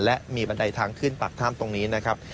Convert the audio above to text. และมีบันไดทางขึ้นปากถ้ำตรงนี้นะครับ